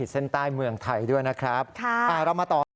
เส้นใต้เมืองไทยด้วยนะครับเรามาต่อค่ะ